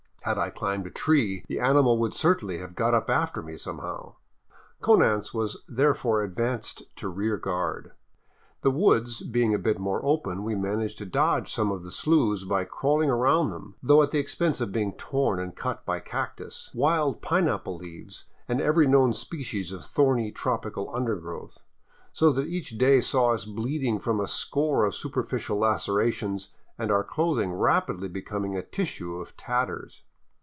Had I climbed a tree, the ani mal would certainly have got up after me somehow. Konanz was therefore advanced to rear guard. The woods being a bit more open, we managed to dodge some of the sloughs by crawling around them, though at the expense of being torn and cut by cactus, wild pine apple leaves, and every known species of thorny tropical undergrowth, so that each day saw us bleeding from a score of superficial lacerations and our clothing rapidly becoming a tissue of tatters.